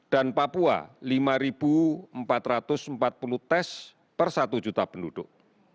dan papua lima empat ratus empat puluh tes per satu juta penduduk